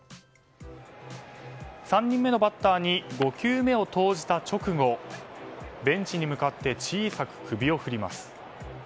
３人目のバッターに５球目を投じた直後ベンチに向かって小さく首を振ります。